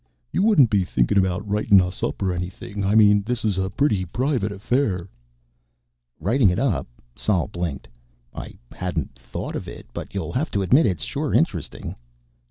"You wouldn't be thinkin' about writing us up or anything. I mean, this is a pretty private affair." "Writing it up?" Sol blinked. "I hadn't thought of it. But you'll have to admit it's sure interesting."